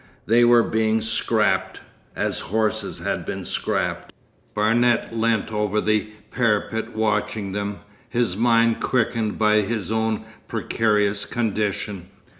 They were being 'scrapped'—as horses had been 'scrapped.' Barnet leant over the parapet watching them, his mind quickened by his own precarious condition.